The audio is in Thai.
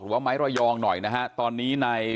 ว่าไม้ระยองหน่อยนะฮะตอนนี้ใน